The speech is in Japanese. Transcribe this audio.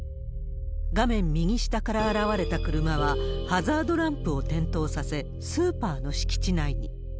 画面右下から現れた車は、ハザードランプを点灯させ、スーパーの敷地内に。